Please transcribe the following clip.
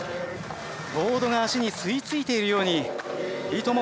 ボードが足に吸いついているようにいとも